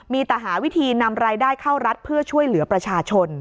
มีแต่หาวิธีนำรายได้เข้ารัฐเพื่อช่วยเหลือประชาชน